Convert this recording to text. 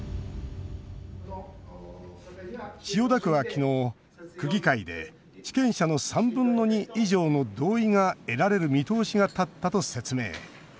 千代田区は昨日、区議会で地権者の３分の２以上の同意が得られる見通しが立ったと説明。